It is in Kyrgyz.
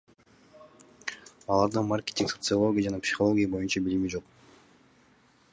Аларда маркетинг, социология жана психология боюнча билими жок.